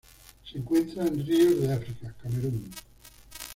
Se encuentran en ríos de África: Camerún.